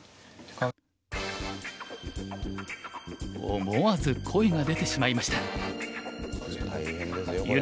思わず声が出てしまいました。